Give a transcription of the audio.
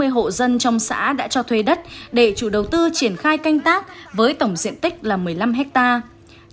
một trăm bốn mươi hộ dân trong xã đã cho thuê đất để chủ đầu tư triển khai canh tác với tổng diện tích là một mươi năm hectare